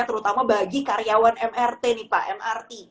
terutama bagi karyawan mrt nih pak mrt